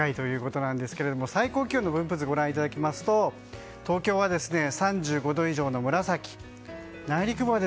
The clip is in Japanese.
この週末も熱中症警戒ということですが最高気温の分布図をご覧いただきますと東京は３５度以上の紫。